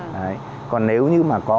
đấy còn nếu như mà có